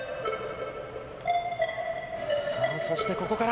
さあ、そしてここから。